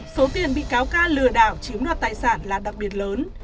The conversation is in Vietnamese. số tiền bị cáo ca lừa đảo chiếm đoạt tài sản là đặc biệt lớn